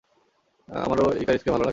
আমারও ইকারিসকে ভালো লাগে।